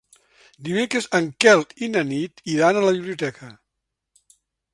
Dimecres en Quel i na Nit iran a la biblioteca.